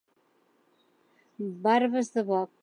Barbes de boc.